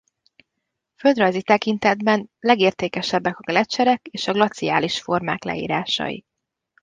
Földrajzi tekintetben legértékesebbek a gleccserek és a glaciális formák leírásai.